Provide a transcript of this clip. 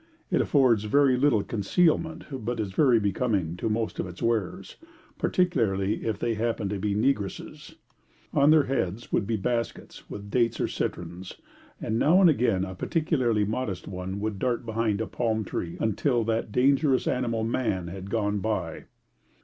It affords very little concealment, but is very becoming to most of its wearers, particularly if they happen to be negresses. On their heads would be baskets with dates or citrons, and now and again a particularly modest one would dart behind a palm tree until that dangerous animal man had gone by.